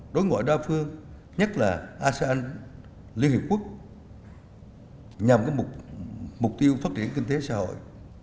đối ngoại đa phương nhất là asean liên hiệp quốc nhằm có mục tiêu phát triển kinh tế xã hội